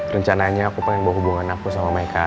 rencananya aku pengen bawa hubungan aku sama mereka